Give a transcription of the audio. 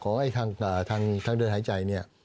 ขอให้ทางเดินหายใจเนี่ย